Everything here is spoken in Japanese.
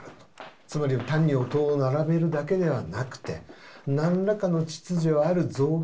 つまり単に音を並べるだけではなくて何らかの秩序ある造形物にする。